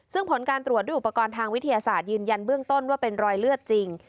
ซึ่งผลการตรวจด้วยอุปกรณ์ทางวิทยาศาสตร์ยืนยันเบื้องต้นว่าเป็นรอยเลือดจริง